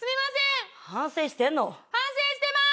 反省してます。